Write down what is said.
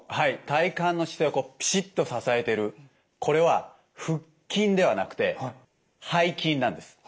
体幹の姿勢をピシッと支えてるこれは腹筋ではなくて背筋なんです。